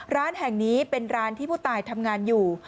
ร้านแห่งนี้เป็นร้านที่ผู้ตายทำงานอยู่